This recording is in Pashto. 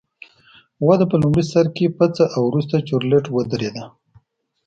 وده په لومړي سر کې پڅه او وروسته چورلټ ودرېده